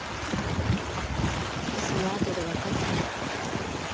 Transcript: そのあとでわかったの。